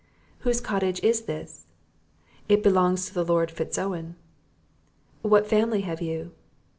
"Whose cottage is this?" "It belongs to the Lord Fitz Owen." "What family have you?"